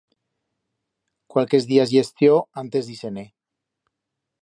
Cualques días i estió antes d'ir-se-ne.